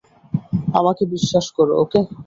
আমাকে বিশ্বাস কর - ওকে।